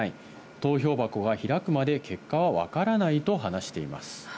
投票箱が開くまで結果は分からないと話しています。